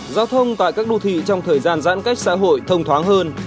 giao thông tại các đô thị trong thời gian giãn cách xã hội thông thoáng hơn